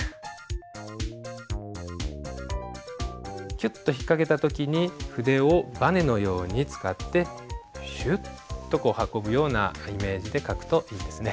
キュッと引っ掛けた時に筆をばねのように使ってシュッとこう運ぶようなイメージで書くといいですね。